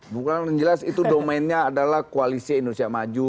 bukan jelas itu domennya adalah koalisi indonesia maju